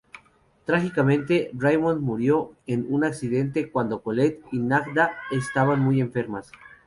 Trágicamente, Raymond murió en un accidente cuando Collette y Nadja estaban muy enfermas.